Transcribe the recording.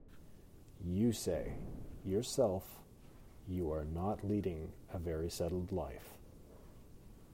You say, yourself, you are not leading a very settled life.